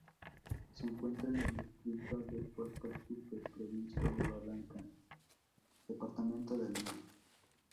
Se encuentra en el distrito de Puerto Supe, provincia de Barranca, departamento de Lima.